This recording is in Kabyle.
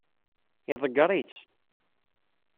Iḍeggeṛ-itt.